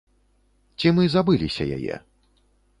Ці мы забыліся яе?